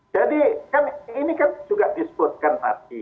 jadi ini kan juga disebutkan